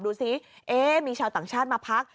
ดูสิมีชาวต่างชาติมาพัก